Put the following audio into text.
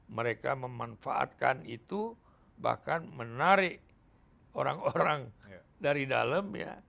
mereka memanfaatkan itu bahkan menarik orang orang dari dalam ya